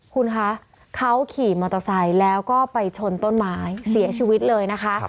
คุณคะเขาขี่มอเตอร์ไซค์แล้วก็ไปชนต้นไม้เสียชีวิตเลยนะคะ